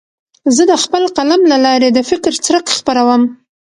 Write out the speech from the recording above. زه د خپل قلم له لارې د فکر څرک خپروم.